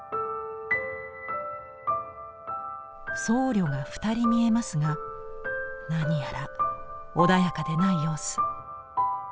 僧侶が２人見えますが何やら穏やかでない様子。